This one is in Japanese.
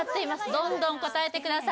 どんどん答えてください